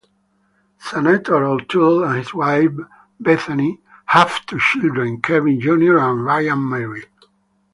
Senator O'Toole and his wife, Bethany, have two children, Kevin Junior and Ryan Marie.